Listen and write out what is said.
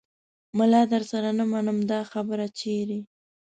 ملا درسره نه منمه دا خبره چیرې